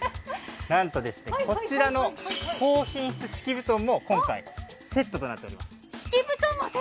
なんとですねこちらの高品質敷き布団も今回セットとなっております。